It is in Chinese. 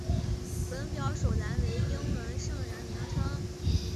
本表首栏为英文圣人名称。